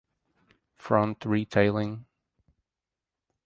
Front Retailing.